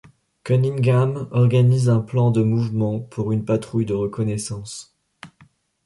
Cunningham organise un plan de mouvement pour une patrouille de reconnaissance.